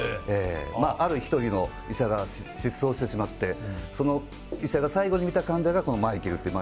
ある１人の医者が失踪してしまってその医者が最後に診た患者がマイケルっていう。